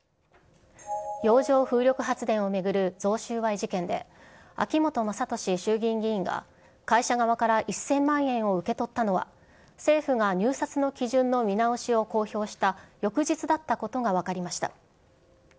洋上風力発電を巡る贈収賄事件で、秋本真利衆議院議員が、会社側から１０００万円を受け取ったのは、政府が入札の基準の見直しを公表した翌日だったことが分かりました。